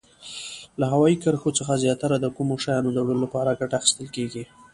له هوایي کرښو څخه زیاتره د کوم شیانو د وړلو لپاره ګټه اخیستل کیږي؟